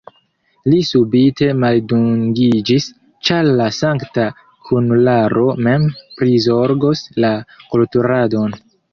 Li subite maldungiĝis, ĉar la sankta kunularo mem prizorgos la kulturadon.